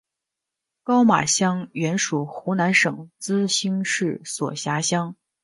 高码乡原属湖南省资兴市所辖乡。